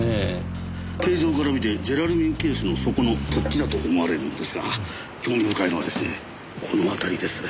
形状からみてジュラルミンケースの底の突起だと思われるのですが興味深いのはですねこの辺りです。